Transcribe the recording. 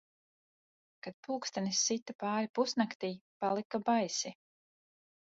Kad pulkstenis sita pāri pusnaktij, palika baisi